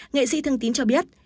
nghệ sĩ thương tín cho biết